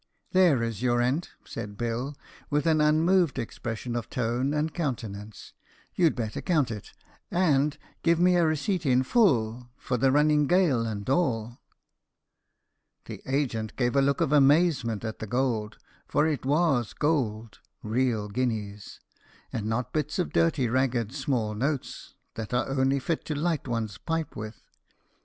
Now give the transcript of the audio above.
"There is your rent," said Bill, with an unmoved expression of tone and countenance; "you'd better count it, and give me a receipt in full for the running gale and all." The agent gave a look of amazement at the gold; for it was gold real guineas! and not bits of dirty ragged small notes, that are only fit to light one's pipe with.